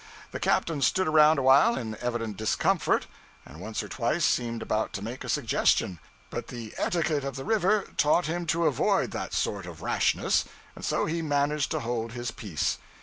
The captain stood around a while in evident discomfort, and once or twice seemed about to make a suggestion; but the etiquette of the river taught him to avoid that sort of rashness, and so he managed to hold his peace.